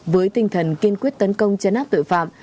với tinh thần kiên quyết tấn công chấn áp tội phạm